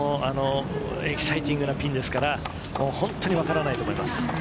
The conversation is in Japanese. エキサイティングなピンですから、わからないと思います。